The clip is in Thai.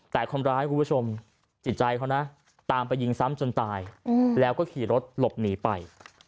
แต่คนร้ายคุณผู้ชมจิตใจเขานะตามไปยิงซ้ำจนตายแล้วก็ขี่รถหลบหนีไป